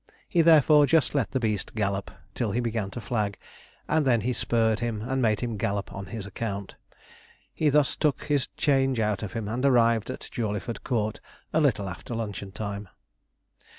He, therefore, just let the beast gallop till he began to flag, and then he spurred him and made him gallop on his account. He thus took his change out of him, and arrived at Jawleyford Court a little after luncheon time.